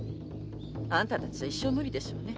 あんたたちじゃ一生無理でしょうね。